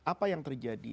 apa yang terjadi